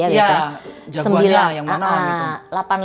jagoannya yang mana gitu